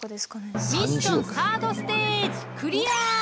ミッションサードステージクリア！